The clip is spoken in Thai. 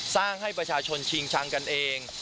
ให้ประชาชนชิงชังกันเอง